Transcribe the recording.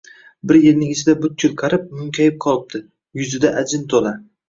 Bir yilning ichida butkul qarib, munkayib qolibdi. Yuzida ajin toʻla.